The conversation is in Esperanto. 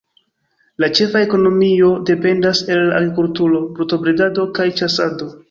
La ĉefa ekonomio dependas el la agrikulturo, brutobredado kaj ĉasado.